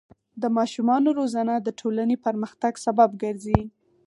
د ماشومانو روزنه د ټولنې پرمختګ سبب ګرځي.